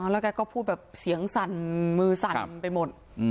แล้วแกก็พูดแบบเสียงสั่นมือสั่นไปหมด